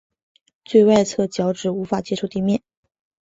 最外侧脚趾无法接触地面。